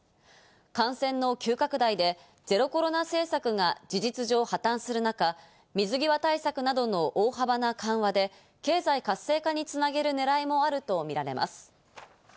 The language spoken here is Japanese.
感染の急拡大でゼロコロナ政策が事実上破綻する中、水際対策などの大幅な緩和で経済活性化につなげるねらいもあるとみられます。